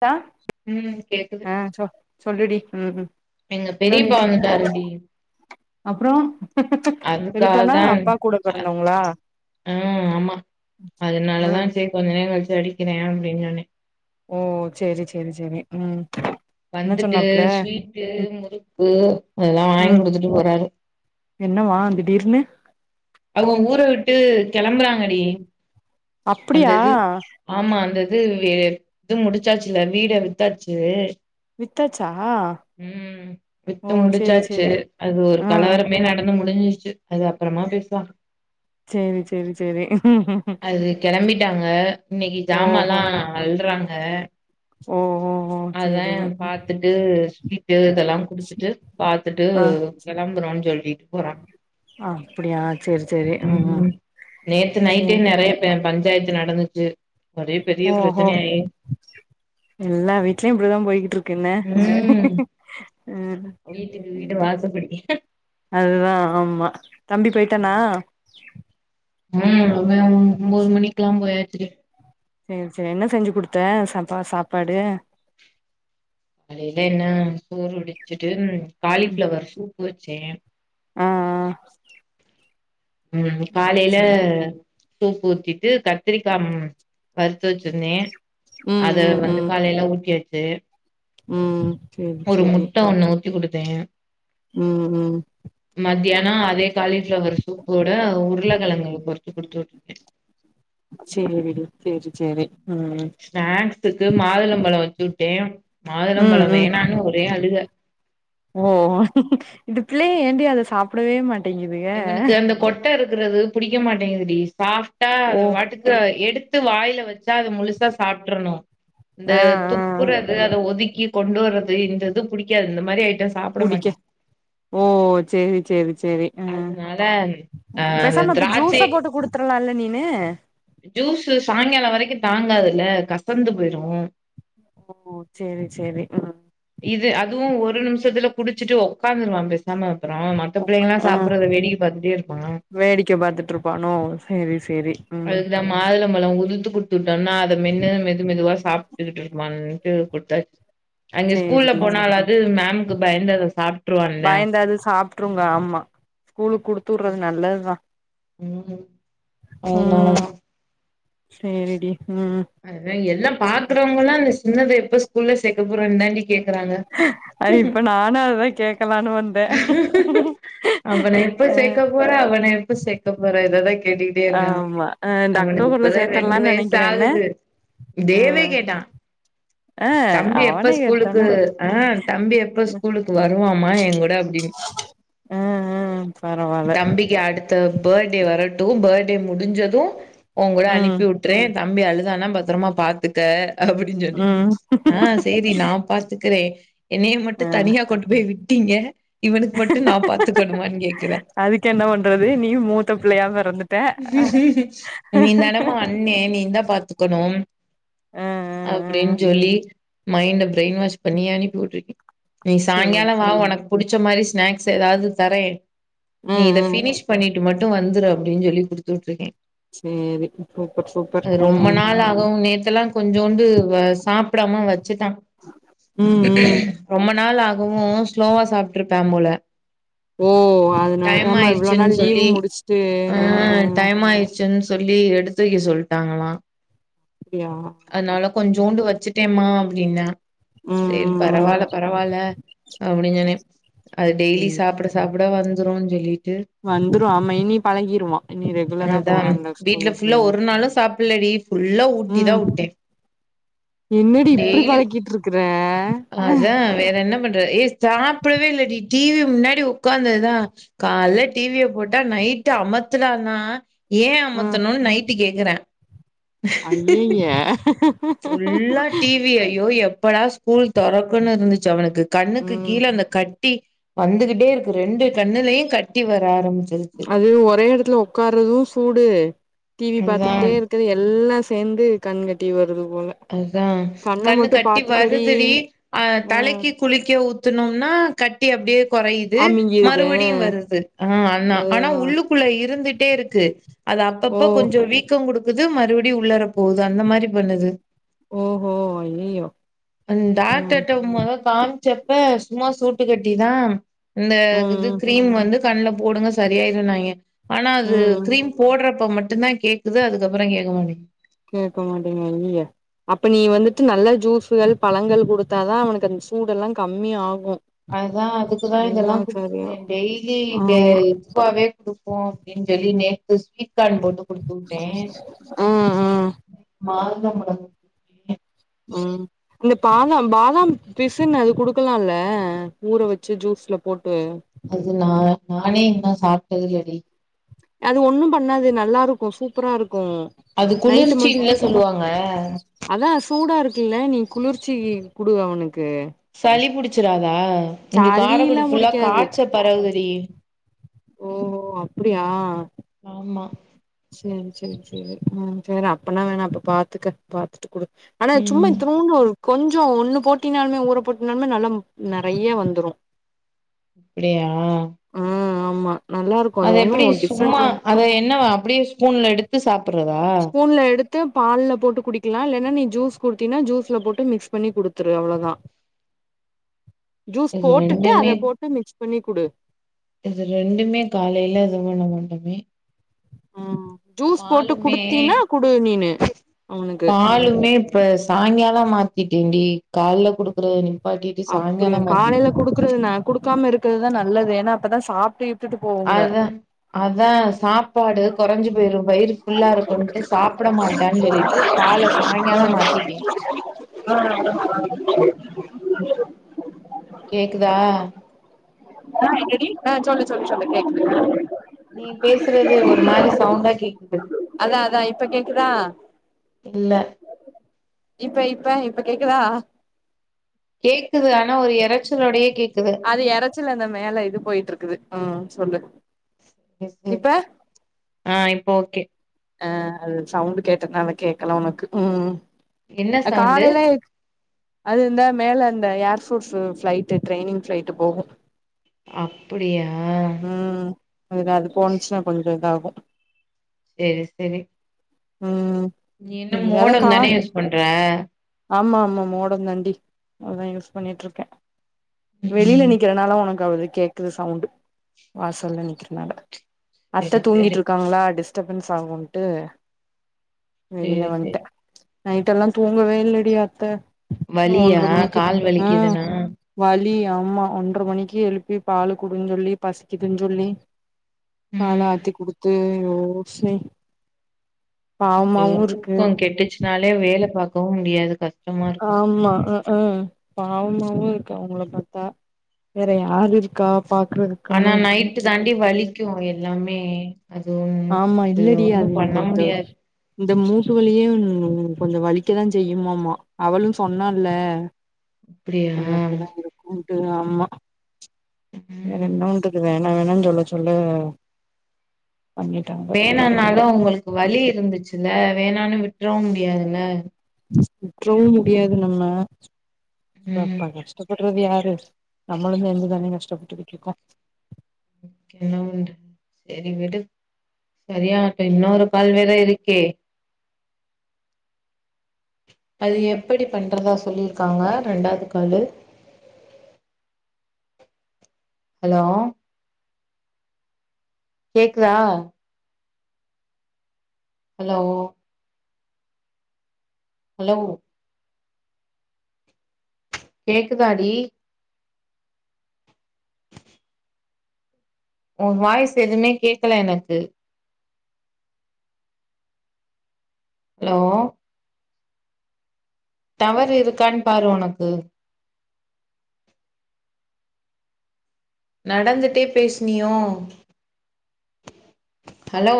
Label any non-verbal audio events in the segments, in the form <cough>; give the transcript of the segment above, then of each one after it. த ம் கேக்குது அ சொ சொல்லுடி ம் எங்க பெரியப்பா வந்துட்டாருடி அப்றோ பெரிப்பான்னா அதுக்காகதா அப்பா கூட பெறந்தவங்களா அ ஆமா அதனாலதா ம் செரி கொஞ்ச நேரோ கழிச்சு அடிக்கிறே அப்டின்னு சொன்னே ஓ செரி செரி செரி ம் என்ன வந்துட்டு சொன்னாப்புல ஸ்வீட்டு ம் முறுக்கு அதெல்லா வாங்கி ம் குடுத்துட்டு போறாரு என்னவா திடீர்னு அவுங்க ஊர விட்டு கெளம்புறாங்கடி அப்டியா அந்தது ஆமா அந்த இது வே இது முடிச்சாச்சுல்ல வீட வித்தாச்சு வித்தாச்சா ம் ஓ வித்து சேரி முடிச்சாச்சு சேரி அது ஒரு ஆ கலவரமே நடந்து முடிஞ்சுச்சு அது அப்றமா பேசலா சேரி சேரி சேரி அது கிளம்பிட்டாங்க இன்னைக்கு ஜாமான்ல்லா அள்றாங்க ஒ ஒ ஒ அதா பாத்துட்டு ஸ்வீட்டு இதெல்லா குடுத்துட்டு பாத்துட்டு ஆ கெளம்புறோன்னு சொல்லி போற அப்டியா சேரி சேரி ஆ ம் நேத்து நைட்டே சேரி நெறைய ப பஞ்சாயத்து நடந்துச்சு ஒரே பெரிய ஓஹோ பிரச்சன ஆயி எல்லா வீட்லயு இப்டிதா போய்கிட்டுருக் கென்ன ம் ம் வீட்டுக்கு வீடு வாசப்படி அதுதா ஆமா தம்பி போய்ட்டானா ம் அவ ஒம்போது மணிக்கலா போயாச்சு சேரி சேரி என்ன செஞ்சு குடுத்த சப்பா சாப்பாடு அதுஇது என்ன சோறு வடிச்சுட்டு காலிஃப்ளவர் சூப்பு வச்சே அ அ ம் காலேல சேரி சூப்பு ஊத்திட்டு கத்திரிக்கா வருத்து வச்சிருந்தே ம் அத ம் வந்து ம் காலைல ஊத்தியாச்சு ம் சேரி ஒரு சேரி முட்ட ஒண்ணு ஊத்தி குடுத்தே ம் ம் மத்தியானோ அதே காலிஃளவர் சூப்போட உருளக்கெழங்கு வறுத்து குடுத்து உட்டுருக்கே சேரி விடு சேரி சேரி ம் ஸ்நாக்ஸுக்கு மாதுளம்பழ வச்சு உட்டே ம் மாதுளம்பழம் ம் வேணான்னு ஒரே அழுக ஓ இது புள்ளய ஏண்டி அத சாப்டவே மாட் இவனுக்கு அந்த கொட்ட இருக்கறது புடிக்க மாட்டேங்குதுடி சாஃப்டா ஓ அத வாட்டுக் எடுத்து வாய்ல வச்சா அத முழுசா சாப்ட்றணு இந்த ஆ ஆ துப்புறது அத ஒதுக்கி கொண்டு வர்றது இந்தது புடிக்காது இந்த மாரி ஐட்டம்ஸ் புடிக்க ஓ சேரி சேரி சேரி ஆ அதுனால அ அந்த திராட்சே ட்றலால்ல நீனு ஜூஸு சாய்ங்காலோ வரைக்கு தாங்காதுல்ல கசந்து போயிரு ஓ சேரி சேரி ம் இது அதுவு ஒரு நிமிசத்துல குடிச்சிட்டு உக்காந்துருவா சாம அப்றோ மத்த பிள்ளைங்கல்லா ஆ சாப்பட்றத வேடிக்க பாத்துட்டே இருப்பா வேடிக்க பாத்துட்ருப்பானோ செரி செரி அதுக்குதா மாதுளம்பழோ உதுத்து குடுத்துட்டம்னா அத மென்னு மெது மெதுவா சாப்ட்டுகிட்ருப்பான் னு குட்த்த அங்க ஸ்கூல்ல சேரிடி போனாலாவ்து மேமுக்கு பயந்து அத சாப் பயந்தாது சாப்ட்ருங்க ஆமா ஸ்கூலுக் குடுத்து உட்றது நல்லத் தா ம் ம் அதுனால ம் தா சேரிடி ம் அதா எல்லா பாக்கறவுங்கல்லா அந்த சின்னத எப்ப ஸ்கூல்ல சேக்க போறன் தாண்டி கேக்கறாங்க அடி இப்ப நானு அதுதா கேக்கலான்னு வந்த அவன எப்ப சேக்க போற அவன எப்ப சேக்க போற இத தா கேட்டுகிட் டே இருக்கா ஆமா அ இந்த அவனுக்கு அக்டோபர்ல இப்பதா ரெண்டு சேத்தர்லான்னு நெனைக்கிறே என்ன வயசாகுது அ தேவே கேட்டா அ தம்பி எப்ப அவன ஸ்கூலுக்கு கேட்டானா ஆ தம்பி எப்ப ம் ஸ்கூலுக்கு வருவாமா எங்கூட அப்டின் அ அ பரவால்ல த பர்டே வரட்டு பர்டே முடிஞ்சது உங்கூட ம் அனுப்பி வுட்றே தம்பிய அழு தானா பத்தரமா பாத்துக்க அப்படின் சொன்னே ம் ஆ சேரி நா பாத்துக்கறே என்னைய மட்டு அ தனியா கொண்டு போய் விட்டீங்க இவனுக் மட்டு நா பாத்துக்கணுமான் கேக்கறா அதுக்கு என்ன பண்றது நீ மூத்த பிள்ளையா பெறந்துட்ட அ நீந்தானமா ஆ அண்ணே நீந்தா பாத்துக்கணும் ஆ ஆ அப்படின் சொல்லி மைண்ட ப்ரெய்ன் வாஷ் பண்ணி அனுப்பி உட்ருக்கே நீ சேரி சாய்ங்காலோ வா சேரி உனக் புடிச்ச மாரி ஸ்நாக்ஸ் எதாவ்து தரே நீ ம் இத ம் ஃபினிஷ் பண்ணிட்டு மட்டு வந்துரு அபடின் சொல்லி குடுத்து உட்ருக்கே சேரி சூப்பர் சூப்பர் ம் தாகவு நேத்தெல்லா கொஞ்சோண்டு வ சாப்டாம வச்சிட்டா ம் ம் ரொம்ப நாள் ஆகவு ஸ்லோவா சாப்ட்ருப்பா போல ஓ அதுனால டைம் ஆமா இவ்ளோ ஆயிருச்சுன்னு நாள் லீவு சொல்லி முடிஸ்ட்டு ஆ அ டைம் ஆயிர்ச்சின் சொல்லி எடுத்து வெக்க சொல்ட்டாங்களா அப்டியா அதுனால கொஞ்சோண்டு வச்சுட்டேம்மா அப்டின்னா ம் சேரி ம் ம் பரவால்ல பரவால்ல அப்டின் சொன்ன அது டெய்லி ம் சாப்ட சாப்ட வந்துருன் சொல்லீட்டு வந்துரு ஆமா இனி பழகீருவா இனி ரெகுலரா அதா போறான்ல வீட்ல ஸ்கூலுக்கு ஃபுல்லா ஒரு நாளு சாப்லடி ஃபுல்லா ஊட்டி தா ம் உட்டே என்னடி இப்பிடி டெய்லி பழக்கீட்ருக்கறே அதா வேற என்ன பண்றது ஏய் சாப்பிடவே இல்லடி டி வி முன்னாடி உக்காந்தது தா கால்ல டி வி ய போட்டா நைட்டு அமத்துடானா ஏ அமத்தணுன் நைட்டு கேக்கறா அய்யய்யே ஃபுல்லா டி வி ஐயோ எப்படா ஸ்கூல் தொறக்குன் இருந்துச்சு அவனுக்கு கண்ணுக்கு ம் கீழ அந்த கட்டி வந்துகிட்டே இருக்கு ரெண்டு கண்ணுலயு கட்டி வர ஆரம்பிச் அது ஒரே எடத்துல ஒக்கார்றது சூடு டி வி அதா பாத்துக்கிட்டே இரு து எல்லா சேந்து கண் கட்டி வருது போல அதா கண்ண கண்ணு மட்டு கட்டி பாத்துக்கடி வருதுடி அ ஆ தலைக்கு குளிக்க ஊத்துனம்னா கட்டி அப்டியே கொறையிது அமிங்கிருது மறுபடியு வருது ஆ அன்னா ஆனா அதுதா உள்ளு க்குள்ள இருந்துட்டே இருக்கு அது ஓ அப்பப்ப கொஞ்ச வீக் கம் குடுக்குது மறுபடி உள்ளாற போது அந்த மாரி பண்ணுது ஓஹோ அய்யியோ ம், டாக்டர்ட்ட மொத காமிச்சப்ப சும்மா சூட்டு கட்டிதா இந்த ம் இது ம் கிரீம் வந்து கண்ல போடுங்க சரியாயிருநாங்க ஆனா அது ம் ம் கிரீம் போட்றப்ப மட்டுந்தா கேக்குது அதுக்கப்பறோ கேக்க மாட்டிங் கேக்கமாட்டிங்குது அய்யய்ய அப்ப நீ வந்துட்டு நல்ல ஜூஸ்கள் பழங்கள் குடுத்தாதா அவனுக்கு அந்த சூடெல்லா கம்மியா ஆகு அதா அதுக்குதா இதெல்லா எல்லா சரியா குடுத்துருக்கே டெய்லி த ஆமா டேட்ஸ் ப்பாவே குடுப்போ அப்படின்னு சொல்லி நேத்தி ஸ்வீட் க்காடு போட்டு குடுத்து விட்டே ம் ம் மாதுளம் பழம் ம் இந்த பாதாம் பாதாம் பிசுன்னு அது குடுக்கலால்ல ஊற வச்சு ஜூஸ்ல போட்டு அது நா நானே அதுல சாப்ட்டது இல்லடி அது ஒண்ணு பண்ணாது நல்லாருக்கு சூப்பரா இருக்கு அது நைட்டு மட் குளிர்ச்சின்ல சொல்லுவாங்க அதா சூடா இருக்குல்ல நீ குளிர்ச்சிக்கு குடு அவனுக்கு சளி புடிச்சிறதா இங்க சளில்லா காரைக்குடி ஃபுல்லா புடிக்காது காய்ச்ச பரவுதுடி ஓ அப்படியா ஆமா சேரி சேரி சேரி, ம், சேரி அப்பனா வேணா அப்ப பாத்துக்க பாத்துட்டு குடு ஆனா சும்மா ம் இத்தூணுன்டு ஒரு கொஞ்சோ ஒண்ணு போட்டினாலுமே ஊற போட்டினாலுமே நல்லா நறைய வந்துரு அப்டியா ஆ ஆமா நல்லா இருக் அது எப்படி சும்மா அத என்னவா அப்டியே ஸ்பூன்ல எடுத்து சாப்புட்றதா? ஸ்பூன்ல எடுத் து பால்ல போட்டு குடிக்கலா இல்லன்னா நீ ஜூஸ் குடுத்தீனா ஜூஸ்ல போட்டு மிக்ஸ் பண்ணி குடுத்துரு அவ்ளோதா <unintelligible> ஜூஸ் போட்டுட்டு ரெண்டுமே அத போட்டு மிக்ஸ் பண்ணி குடு இது ரெண்டுமே காலைல இதுங்கனுமே ம் ஜூஸ் போட்டு பாலுமே குடுத்தீன்னா குடு நீனு அவனுக்கு பாலுமே இப்ப சாங்கால மாத்திட்டேன்டி காலைல குடுக்குறத நிப்பாட்டிட்டு சாயங்காலம் மாத்திட்டே குடுக்குறது நா குடுக்காம இருக்கிறதுதா நல்லது ஏன்னா அப்பதா சாப்ட்டு இப்ட்டுட்டு போகுங்க அதா அதா சாப்பாடு கொறைஞ்சு போயிரு, வயிறு ஃபுல்லா இருக்குன்ட்டு சாப்பிட மாட்டான்னு சொல்லிட்டு பால சாய்ங்காலோ மாத்திட்டே ஆ அதா நல்லாருக்கு கேக்குதா ஆ சொல்லு சொல்லு சொல்லு கேக்குது நீ பேசுறது ஒரு மாரி சவுண்டா கேக்குது அதா அதா இப்ப கேக்குதா இல்ல இப்ப இப்ப இப்ப கேக்குதா கேக்குது ஆனா ஒரு எரைச்சலோடையே கேக்குது அது எரச்சல் அந்த மேல இது போயிட்டு இருக்குது ம் சொல்லு சேரி இப்ப சேரி ஆ இப்போ ஓகே அ அது சவுண்ட் கேட்டதுனால கேக்கல உனக்கு ம் என்ன சவுண்டு காலையிலே அது இந்த மேல அ ஏர்ஃபோர்ஸ்சு ஃபிளைட்டு ட்ரெய்னிங் ஃபிளைட்டு போகு அப்படியா ம் எனக் அது போண்ச்சுன்னா கொஞ்சோ இதாகு சேரி சேரி ம் நீ என்ன மோடம்ந்தான யூஸ் பண்ற ஆமாம்மா மோடோ தண்டி அதுதா யூஸ் பண்ணிட்ருக்க வெளில ம் நிக்கிறனால ஒனக்கு தாவது கேக்குது சவுன்டு வாசல்ல நிக்கிறனால அத்த சரி தூங்கிட்டு சரி இருக்காங்ளா டிஸ் டிஸ்டபன்ஸ் ஆகுன்ட்டு வெளில சரி வன்ட்ட சரி நைட்டெல்லா தூங்கவே இல்லடி அத்த வலியா ஒன்ற மணிக்கி கால் அ வலிக்குதுன்னா வலி ஆமா ஒன்ர மணிக்கி எழுப்பி பால் குடுன் சொல்லி பசிக்குதுன் சொல்லி பால் ம் ஆத்தி குடுத்து அயோ செய் பாவமாவு இருக்கு இதாலயே வேல பாக்கவு முடியாது கஸ் ஆமா க்கும் பாவமாவு இரு கு அவுங்கள பாத்தா வேற யாரு இருக்கா பாக்குறதுக் ஆனா நைட்டு தாண்டி வலிக்கு எல்லாமே அது <unintelligible> ஆமா அது இல்லடி அது ஒண்ணும் பண்ண இந்த இந்த முடியாது இந்த மூட்டு வலியும் கொஞ்சோ வலிக்க தா செய்யுமாமா அவளு சொன்னால்ல அப்படியா கொஞ்சோ அப்டி தா இருக்குன்டு ஆம்மா ம் வேறென்ன வன்றது வே என்ன வேணா சொல்லச் சொல்லு வேணானாலு அவங்களுக்கு வலி இருந்துச்சுல்ல வேணான்னு விட்ரவு முடியாதுல்ல விட்றவு முடியாது நம்ம <unintelligible> ம் கஷ்டப்படுறது யாரு கூப்புட்றது யாரு நம்மலு சேந்து தானே கஷ்டப்பட்டுகிட்டு இருக்கோ இருக்கோம் அதுக்கென்ன பண்ற சரி விடு சரியாட்ட இன்னொரு கால் வேற இருக்கே அது எப்ப டி பண்றதா சொல்லிருக்காங்க ரெண்டாது காலு ஹலோ கேக்குதா ஹலோ ஹலோ கேக்குதாடி ஓ வாய்ஸ் எதுமே கேக்கல எனக்கு ஹலோ டவர் இருக்கான் பாரு ஒனக்கு நடந்துட்டே பேசுனியோ ஹலோ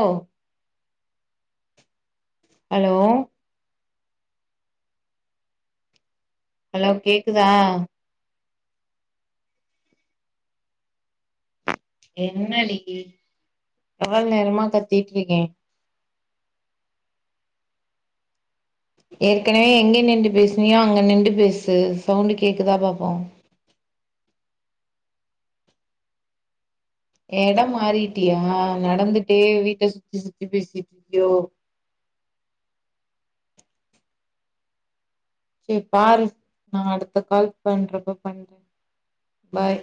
ஹலோ ஹலோ கேக்குதா என்னடி எவ்ள நேரமா கத்திட்டு இருக்கே ஏற்கனவே எங்க நின்டு பேசுனியோ அங்க நின்டு பேசு சவுண்டு் கேக்குதா பாப்போ எடோ மாறிட்டியா நடந்துட்டே வீட்ட சுத்தி சுத்தி பேசிட்டு இருக்கியோ சே பாரு நா அடுத்த கால் பண்றப்ப பண்ற பாய்